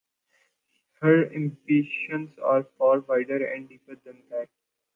Her ambitions are far wider and deeper than that.